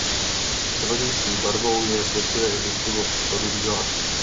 Převažující barvou je v drtivé většině případů bílá.